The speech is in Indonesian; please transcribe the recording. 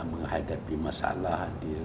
menghadapi masalah di